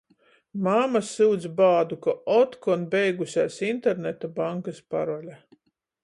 Mama syudz bādu, ka otkon beigusēs interneta bankys parole.